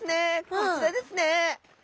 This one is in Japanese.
こちらですね。